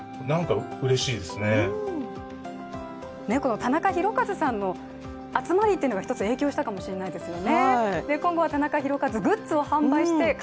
タナカヒロカズさんの集まりっていうのが一つ影響したかもしれないですよね。